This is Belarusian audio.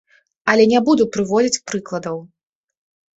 Але не буду прыводзіць прыкладаў.